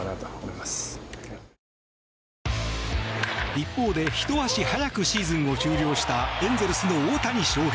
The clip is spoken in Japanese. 一方で、ひと足早くシーズンを終了したエンゼルスの大谷翔平。